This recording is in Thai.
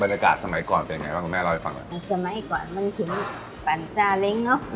สมัยก่อนเป็นไงบ้างคุณแม่เล่าให้ฟังหน่อยสมัยก่อนมันถึงปั่นซาเล้งเนอะ